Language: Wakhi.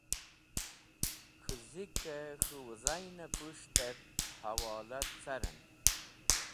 K̃hu zikẽ k̃hũ wẽzayẽn pushtvẽr hẽwola carẽn.